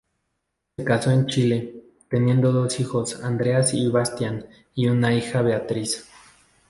Se casó en Chile, teniendo dos hijos Andreas y Bastián, y una hija Beatrice.